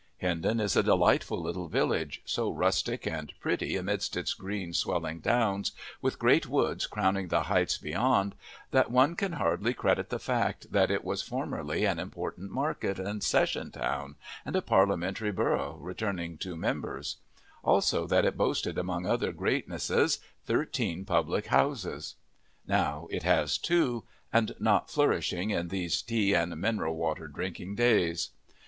Hindon is a delightful little village, so rustic and pretty amidst its green, swelling downs, with great woods crowning the heights beyond, that one can hardly credit the fact that it was formerly an important market and session town and a Parliamentary borough returning two members; also that it boasted among other greatnesses thirteen public houses. Now it has two, and not flourishing in these tea and mineral water drinking days.